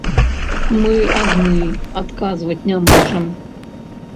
Мы адны адказваць не можам.